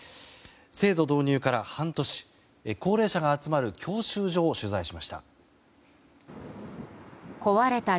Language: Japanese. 制度導入から半年高齢者が集まる教習所を取材しました。